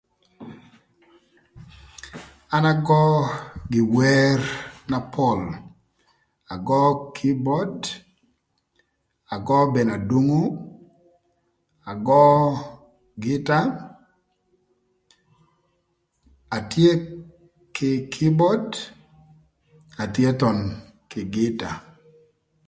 An agö gi wer na pol, agö kibod, agö mënë adungu, agö gïta atye kï kibod atye thon kï gïta